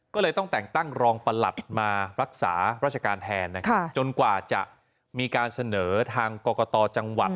ก็เลยต้องแต่งตั้งรองประหลัดมารักษาราชการแทนจนกว่าจะมีการเสนอทางกรกตจังหวัด